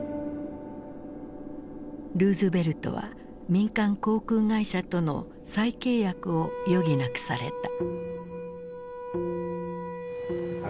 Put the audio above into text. ルーズベルトは民間航空会社との再契約を余儀なくされた。